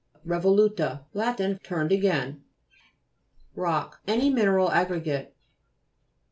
RKVOLU'TA Lat. Turned again. ROCK Any mineral aggregate (p.